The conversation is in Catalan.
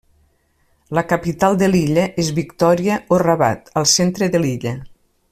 La capital de l'illa és Victòria o Rabat, al centre de l'illa.